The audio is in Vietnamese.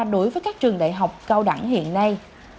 đối với các trường đại học cao đẳng hiện nay